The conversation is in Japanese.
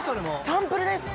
サンプルです。